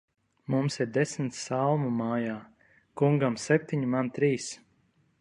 Mums ir desmit salmu mājā; kungam septiņi, man trīs.